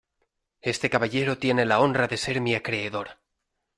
este caballero tiene la honra de ser mi acreedor.